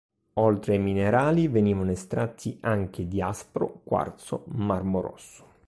Oltre ai minerali venivano estratti anche diaspro, quarzo, marmo rosso.